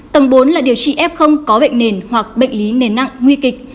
tầng bốn là điều trị f có bệnh nền hoặc bệnh lý nền nặng nguy kịch